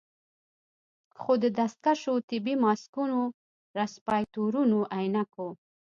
خو د دستکشو، طبي ماسکونو، رسپايرتورونو، عينکو